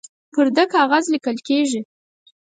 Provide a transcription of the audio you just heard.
پر ده کاغذ لیکل کیږي